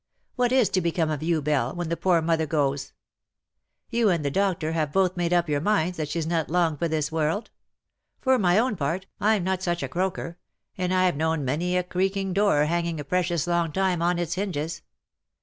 What is to become of you_, Belle, when the poor mother goes ? You and the doctor have both made up your minds that she's not long for this world. For my own part, Fm not such a croaker, and Fve known many a creaking door hanging a precious long time on its hinges.